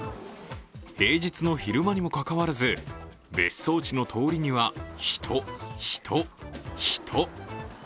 平日の昼間にもかかわらず、別荘地の通りには人、人、人！